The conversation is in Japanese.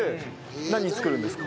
何作るんですか？